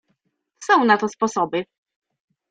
"Są na to sposoby."